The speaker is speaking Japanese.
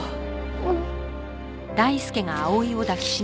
うん。